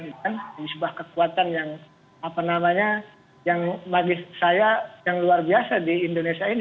ini sebuah kekuatan yang apa namanya yang bagi saya yang luar biasa di indonesia ini